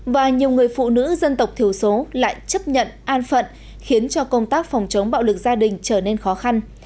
và nhiều người phụ nữ dân tộc thiểu số lại chấp nhận an phận khiến cho công tác phòng chống bạo lực gia đình trở nên khó khăn